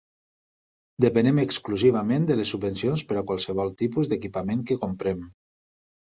Depenem exclusivament de les subvencions per a qualsevol tipus d'equipament que comprem.